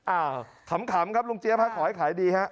ขำครับลุงเจี๊ยบฮะขอให้ขายดีฮะ